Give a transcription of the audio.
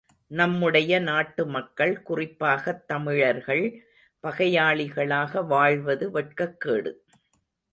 நம்முடைய நாட்டு மக்கள், குறிப்பாகத் தமிழர்கள் பகையாளிகளாக வாழ்வது வெட்கக்கேடு.